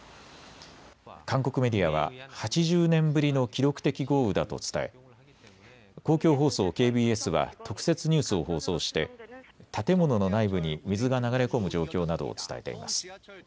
韓国メディアは８０年ぶりの記録的豪雨だと伝え公共放送、ＫＢＳは特設ニュースを放送して建物の内部に水が流れ込む状況などを伝えています。